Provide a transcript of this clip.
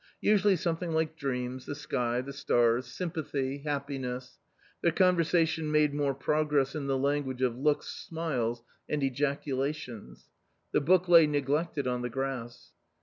Usually some thing like dreams, the sky, the stars, sympathy, happiness. Their conversation made more progress in the language of looks, smiles, and ejaculations. The book lay neglected on the grass.